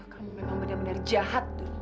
kamu memang benar benar jahat tuh